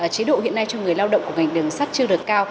chế độ hiện nay cho người lao động của ngành đường sắt chưa được cao